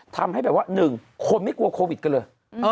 ทำให้แบบว่า๑คนไม่กลัวโควิดกันเลย